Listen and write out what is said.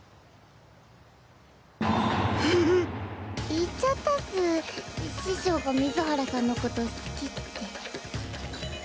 言っちゃったっス師匠が水原さんのこと好きって。